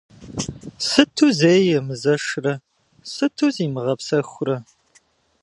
Сыту зэи емызэшрэ, сыту зимыгъэпсэхурэ?